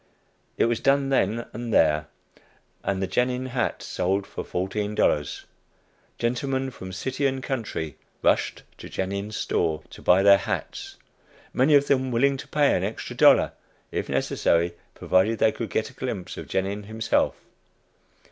It was done then and there, and the Genin hat sold for fourteen dollars! Gentlemen from city and country rushed to Genin's store to buy their hats, many of them willing to pay even an extra dollar, if necessary, provided they could get a glimpse of Genin himself.